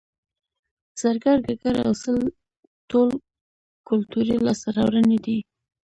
زرګر ګګر او سل ټول کولتوري لاسته راوړنې دي